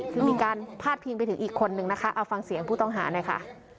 คือมีการพาดพิงไปถึงอีกคนนึงนะคะเอาฟังเสียงผู้ต้องหาหน่อยค่ะ